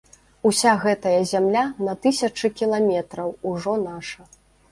Уся гэтая зямля на тысячы кіламетраў ужо наша.